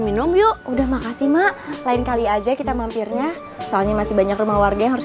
minum yuk udah makasih mak lain kali aja kita mampirnya soalnya masih banyak rumah warga yang harus